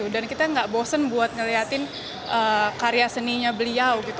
dan kita gak bosen buat ngeliatin karya seninya beliau